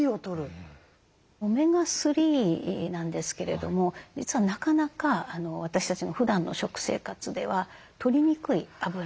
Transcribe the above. オメガ３なんですけれども実はなかなか私たちのふだんの食生活ではとりにくいあぶらなんです実は。